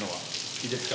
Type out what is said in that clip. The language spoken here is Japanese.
いいですか？